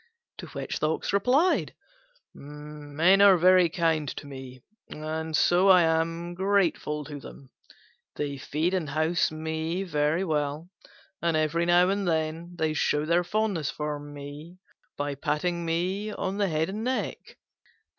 To which the Ox replied, "Men are very kind to me, and so I am grateful to them: they feed and house me well, and every now and then they show their fondness for me by patting me on the head and neck."